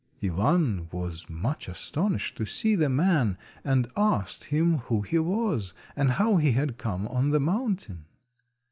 Ivan was much astonished to see the man, and asked him who he was, and how he had come on the mountain.